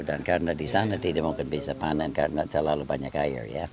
dan karena di sana tidak mungkin bisa panen karena terlalu banyak air ya